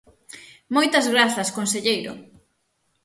¡Moitas grazas, conselleiro!